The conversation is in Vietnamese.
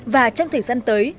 và trong thời gian tới